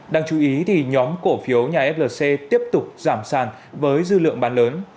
đáng chú ý thì nhóm cổ phiếu nhà flc tiếp tục giảm sàn với dư lượng bán lớn